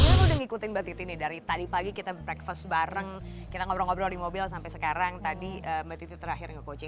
tahun ini saya sudah mengikuti mbak titi nih dari tadi kita breakfast bareng kita ngobrol ngobrol di mobil sampai sekarang tadi mbak titi terakhir nge coaching